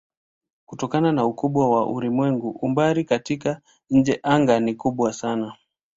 Kutokana na ukubwa wa ulimwengu umbali katika anga-nje ni kubwa sana.